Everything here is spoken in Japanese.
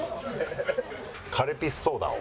カルピスソーダを。